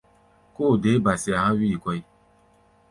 Kóo deé ba-sea há̧ wíi kɔ́ʼi.